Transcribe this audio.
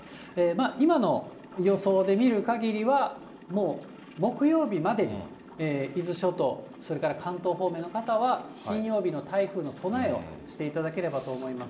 今の予想で見るかぎりは、もう木曜日までに、伊豆諸島、それから関東方面の方は、金曜日の台風の備えをしていただければと思います。